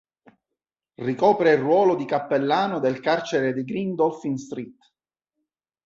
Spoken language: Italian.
Ricopre il ruolo di cappellano del carcere di Green Dolphin Street.